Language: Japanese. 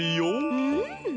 うん。